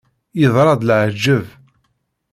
Yeḍra-d leεǧeb!